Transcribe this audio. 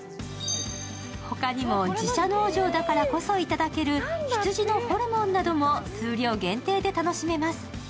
他にも自社農場だからこそいただける羊のホルモンなども数量限定で楽しめます。